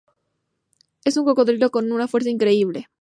Es un cocodrilo con una fuerza increíble.